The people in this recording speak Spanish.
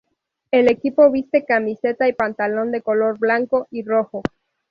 El equipo viste camiseta y pantalón de color blanco y rojo.